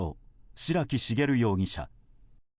白木茂容疑者。